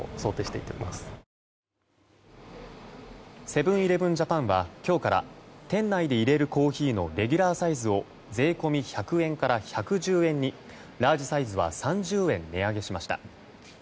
セブン‐イレブン・ジャパンは今日から店内でいれるコーヒーのレギュラーサイズを税込み１００円から１１０円にラージサイズは３０円値上げしました。